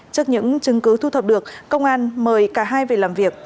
trước những chứng cứ thu thập được công an mời cả hai về làm việc